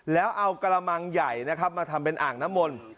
แล้วเอากระมังใหญ่นะครับมาทำเป็นอ่างน้ำมนต์